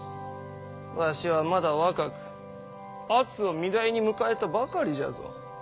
わしはまだ若く篤を御台に迎えたばかりじゃぞ。